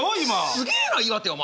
すげえな岩手お前。